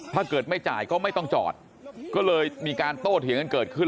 ถ้าเกิดไม่จ่ายก็ไม่ต้องจอดก็เลยมีการโต้เถียงกันเกิดขึ้น